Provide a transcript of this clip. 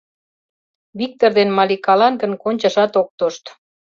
Виктыр ден Маликалан гын кончашат ок тошт.